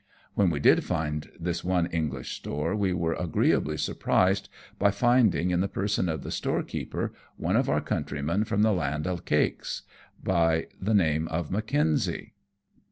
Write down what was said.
When we did find this one English store, we were agreeably surprised by finding in the person of the storekeeper one of our countrymen from the Land o' Cakes, by the name of Mackenzie.